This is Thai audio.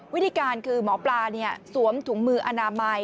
วิธีการคือหมอปลาสวมถุงมืออนามัย